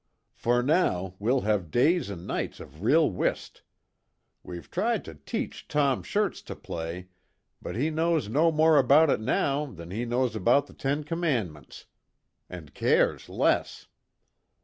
For now we'll have days an' nights of real whist. We've tried to teach Tom Shirts to play, but he knows no more about it now than he knows about the ten commandments an' cares less.